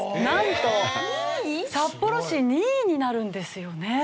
なんと札幌市２位になるんですよね。